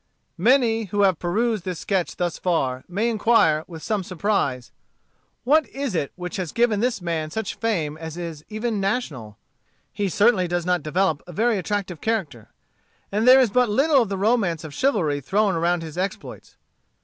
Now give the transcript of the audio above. Many who have perused this sketch thus far, may inquire, with some surprise, "What is it which has given this man such fame as is even national? He certainly does not develop a very attractive character; and there is but little of the romance of chivalry thrown around his exploits.